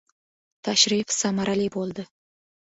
Tashrif samarali bo‘ldi